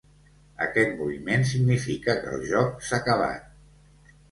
Aquest moviment significa que el joc s'ha acabat.